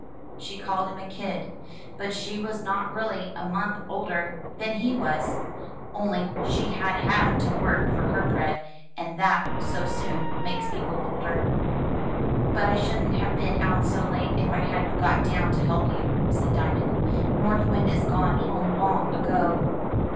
She called him a kid, but she was not really a month older 435 MY BOOK HOUSE than he was; only she had had to work for her bread, and that so soon makes people older. "But I shouldn't have been out so late if I hadn't got down to help you/* said Diamond. "North Wind is gone home long ago.'